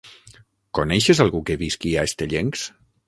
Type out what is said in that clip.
Coneixes algú que visqui a Estellencs?